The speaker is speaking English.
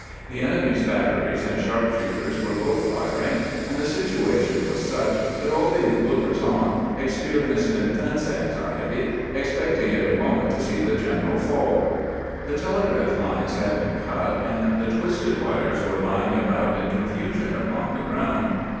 The enemy's batteries and sharp shooters were both firing, and the situation was such that all the lookers on ex perienced intense anxiety, expecting every moment to see the general faU. The telegraph lines had been cut, and the twisted wires were lying about in confusion upon the ground.